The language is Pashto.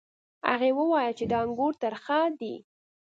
هغې وویل چې دا انګور ترخه دي.